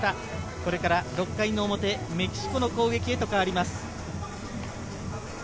これから６回の表、メキシコの攻撃へと変わります。